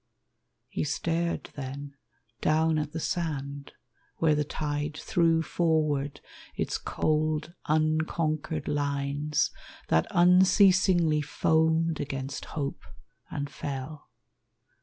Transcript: He stared then Down at the sand where the tide threw forward Its cold, unconquered lines, that unceasingly Foamed against hope, and fell.